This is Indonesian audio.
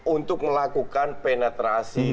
untuk melakukan penetrasi